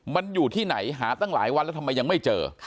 มันอยู่ที่ไหนหาตั้งหลายวันแล้วทำไมยังไม่เจอ